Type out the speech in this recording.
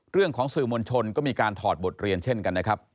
สื่อมวลชนก็มีการถอดบทเรียนเช่นกันนะครับ